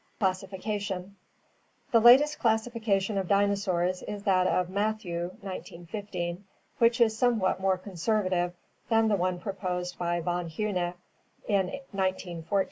Classification The latest classification of dinosaurs is that of Matthew, 1915, which is somewhat more conservative than the one proposed by Von Huene in 1914.